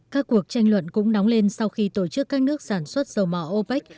các cuộc tranh luận cũng nóng lên sau khi tổ chức các nước sản xuất dầu mỏ opec